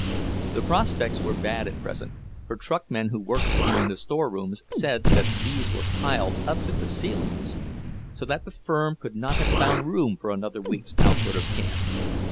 The prospects were bad at present, for truckmen who worked in the storerooms said that these were piled up to the ceilings, so that the firm could not have found room for another week's output of cans.